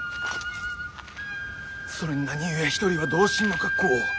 それに何故一人は同心の格好を？